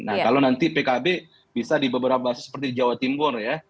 nah kalau nanti pkb bisa di beberapa bahasa seperti jawa timur ya